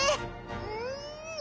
うん！